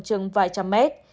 chừng vài trăm mét